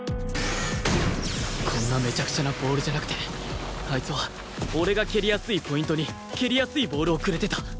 こんなめちゃくちゃなボールじゃなくてあいつは俺が蹴りやすいポイントに蹴りやすいボールをくれてた